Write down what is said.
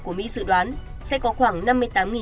của mỹ dự đoán sẽ có khoảng năm mươi tám